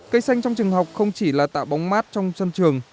cây xanh trong trường học không chỉ là tạo bóng mát trong sân trường